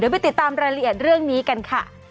ไปติดตามรายละเอียดเรื่องนี้กันค่ะ